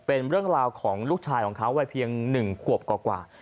เป็นเรื่องราวของลูกชายของเขาวัยเพียง๑ขวบกว่า